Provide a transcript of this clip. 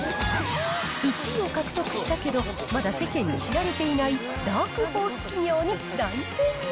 １位を獲得したけど、まだ世間に知られていないダークホース企業に大潜入。